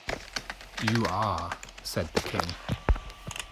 ‘You are,’ said the King.